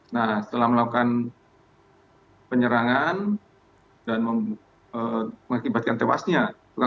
nah setelah melakukan penyerangan dan mengakibatkan tewasnya